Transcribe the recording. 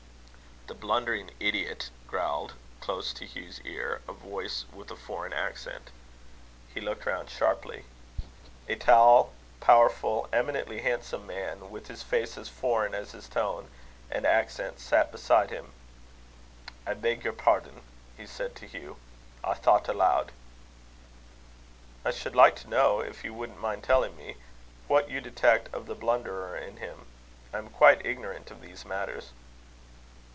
"The blundering idiot!" growled, close to Hugh's ear, a voice with a foreign accent. He looked round sharply. A tall, powerful, eminently handsome man, with a face as foreign as his tone and accent, sat beside him. "I beg your pardon," he said to Hugh; "I thought aloud." "I should like to know, if you wouldn't mind telling me, what you detect of the blunderer in him. I am quite ignorant of these matters."